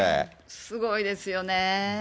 すごいですよね。